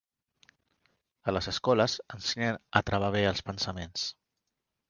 A les escoles ensenyen a travar bé els pensaments.